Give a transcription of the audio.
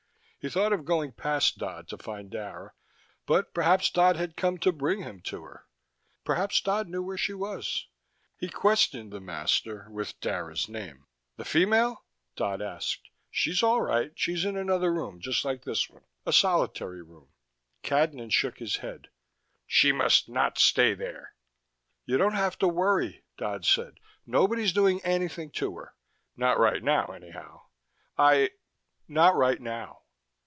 He thought of going past Dodd to find Dara, but perhaps Dodd had come to bring him to her. Perhaps Dodd knew where she was. He questioned the master with Dara's name. "The female?" Dodd asked. "She's all right. She's in another room, just like this one. A solitary room." Cadnan shook his head. "She must not stay there." "You don't have to worry," Dodd said. "Nobody's doing anything to her. Not right now, anyhow. I not right now."